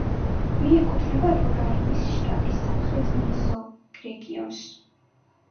მიეკუთვნება რორაიმის შტატის სამხრეთ მეზორეგიონს.